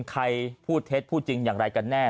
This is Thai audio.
ใครพูดเท็จพูดจริงอย่างไรกันแน่